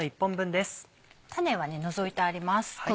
種は除いてあります。